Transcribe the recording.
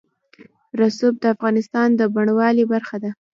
رسوب د افغانستان د بڼوالۍ برخه ده.